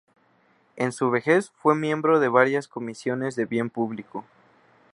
En su vejez fue miembro de varias comisiones de bien público.